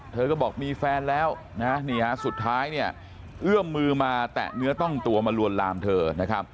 เธอก็บอกมีแฟนแล้วนะสุดท้ายเนี่ยเอื้อมมือมาแตะเนื้อต้องตัวมาลวนลามเธอนะครับ